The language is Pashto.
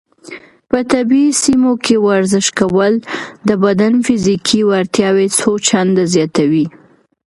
په طبیعي سیمو کې ورزش کول د بدن فزیکي وړتیاوې څو چنده زیاتوي.